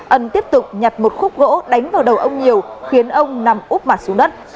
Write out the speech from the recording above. ân tiếp tục nhặt một khúc gỗ đánh vào đầu ông nhiều khiến ông nằm úp mặt xuống đất